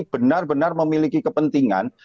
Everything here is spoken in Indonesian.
benar benar memiliki kepentingan